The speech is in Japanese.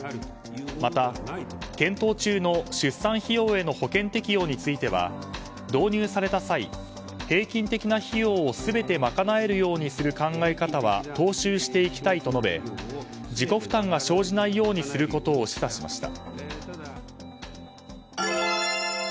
また、検討中の出産費用への保険適用については導入された際、平均的な費用を全て賄えるようにする考え方は踏襲していきたいと述べ自己負担が生じないようにすることを示唆しました。